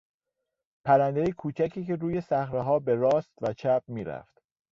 پرندهی کوچکی که روی صخرهها به راست و چپ میرفت.